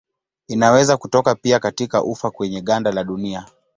Inaweza kutoka pia katika ufa kwenye ganda la dunia.